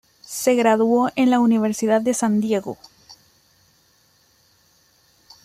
Se graduó en la Universidad de San Diego.